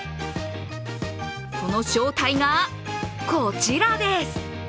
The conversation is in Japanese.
その正体が、こちらです。